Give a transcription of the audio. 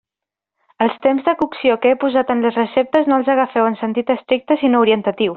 Els temps de cocció que he posat en les receptes no els agafeu en sentit estricte sinó orientatiu.